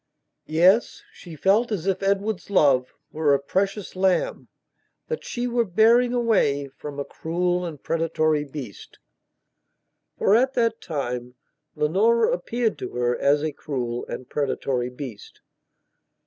Yes, she felt as if Edward's love were a precious lamb that she were bearing away from a cruel and predatory beast. For, at that time, Leonora appeared to her as a cruel and predatory beast.